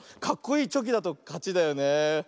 かっこいいチョキだとかちだよねえ。